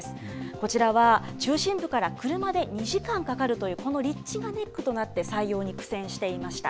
こちらは、中心部から車で２時間かかるというこの立地がネックとなって、採用に苦戦していました。